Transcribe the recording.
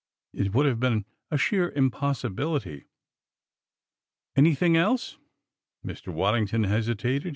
It would have been a sheer impossibility." "Anything else?" Mr. Waddington hesitated.